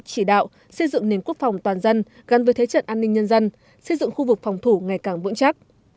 chỉ đạo xây dựng nền quốc phòng toàn dân gắn với thế trận an ninh nhân dân xây dựng khu vực phòng thủ ngày càng vững chắc